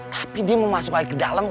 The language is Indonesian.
tapi dia mau masuk lagi ke dalam